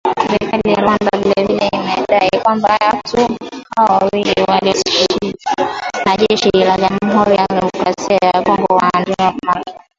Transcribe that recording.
Serikali ya Rwanda vile vile imedai kwamba watu hao wawili walioasilishwa na jeshi la jamuhuri ya kidemokrasia ya Kongo kwa waandishi wa habari